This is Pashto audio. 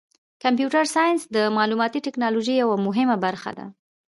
کمپیوټر ساینس د معلوماتي تکنالوژۍ یوه مهمه برخه ده.